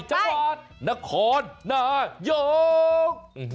จังหวานนครนโยค